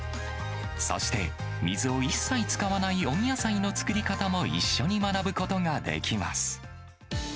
そして、水を一切使わない温野菜の作り方も一緒に学ぶことができます。